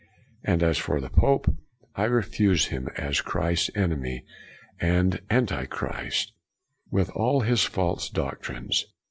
And as for the pope, I refuse him as Christ's enemy and Anti Christ, with all his false doctrines.